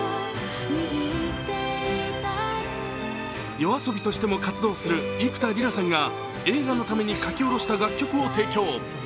ＹＯＡＳＯＢＩとしても活動する幾田りらさんが映画のために書き下ろした楽曲を提供。